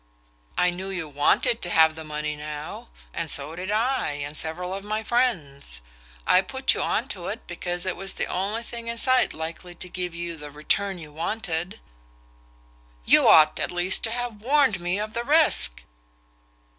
"I knew you WANTED to have the money now; and so did I, and several of my friends. I put you onto it because it was the only thing in sight likely to give you the return you wanted." "You ought at least to have warned me of the risk!"